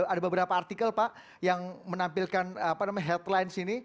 ada beberapa artikel pak yang menampilkan apa namanya headline sini